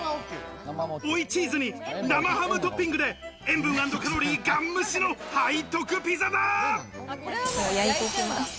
追いチーズに生ハムトッピングで塩分＆カロリーがん無視の背徳ピザだ！